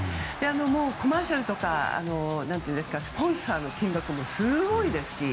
コマーシャルとかスポンサーの金額もすごいですし。